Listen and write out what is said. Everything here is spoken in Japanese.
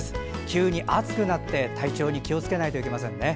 急に暑くなって、体調に気をつけないといけませんね。